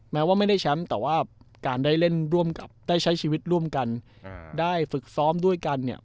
แม้ว่าไม่ได้แชมป์แต่ว่าการได้เล่นร่วมกับได้ใช้ชีวิตร่วมกันอ่าได้ฝึกซ้อมด้วยกันเนี่ย